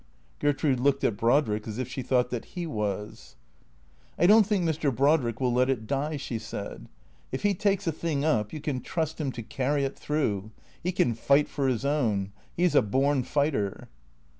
Gertrude looked at Brodrick as if she thought that he was. " I don't think Mr. Brodrick will let it die," she said. " If he takes a thing up you can trust him to carry it through. He can fight for his own. He 's a born fighter."